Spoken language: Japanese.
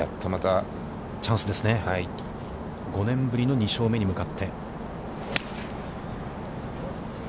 ５年ぶりの２勝目に向かって。